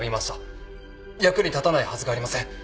役に立たないはずがありません。